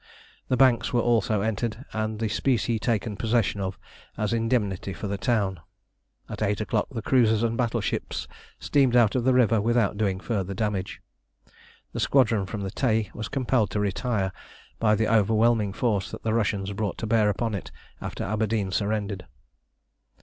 The banks were also entered, and the specie taken possession of, as indemnity for the town. At eight o'clock the cruisers and battleships steamed out of the river without doing further damage. The squadron from the Tay was compelled to retire by the overwhelming force that the Russians brought to bear upon it after Aberdeen surrendered.